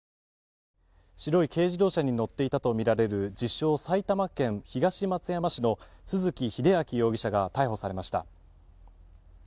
白い軽自動車に乗っていたとみられる自称・埼玉県東松山市の都築英明容疑者が逮捕されました。